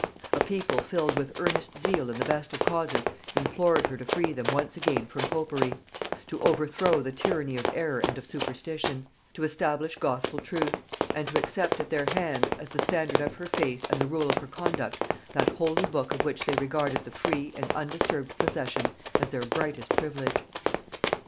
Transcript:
A people filled with earnest zeal in the best of causes implored her to free them once again from popery; to overthrow the tyranny of error and of superstition; to establish gospel truth; and to accept at their hands, as the standard of her faith and the rule of her conduct, that holy book of which they regarded the free and undisturbed possession as their brightest privilege.